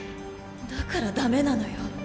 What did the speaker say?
だからダメなのよ！